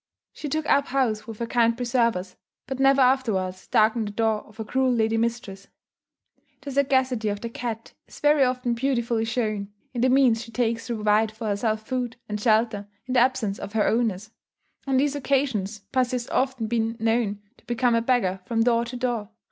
She took up house with her kind preservers, but never afterwards darkened the door of her cruel lady mistress. (See Note N, Addenda.) The sagacity of the cat is very often beautifully shown, in the means she takes to provide for herself food and shelter, in the absence of her owners. On these occasions pussy has often been known to become a "beggar from door to door."